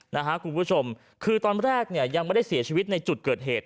นะฮะคุณผู้ชมคือตอนแรกเนี่ยยังไม่ได้เสียชีวิตในจุดเกิดเหตุ